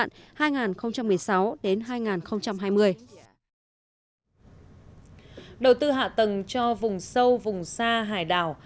đầu tư hạ tầng cho vùng sâu vùng xa hải đảo